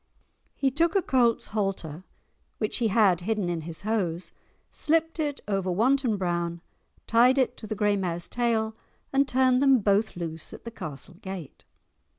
He took a colt's halter which he had hidden in his hose, slipped it over Wanton Brown, tied it to the grey mare's tail, and turned them both loose at the castle gate.